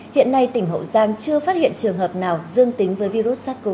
hiện nay tỉnh hậu giang chưa phát hiện trường hợp nào dương tính với virus sars cov hai